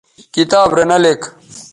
کتاب رے نہ لِک